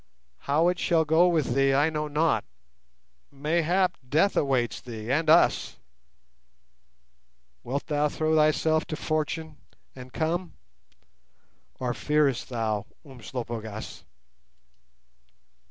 How it shall go with thee, I know not; mayhap death awaits thee and us. Wilt thou throw thyself to Fortune and come, or fearest thou, Umslopogaas?"